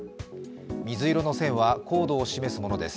水色の線は高度を示すものです。